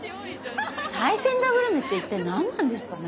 最先端グルメって一体なんなんですかね？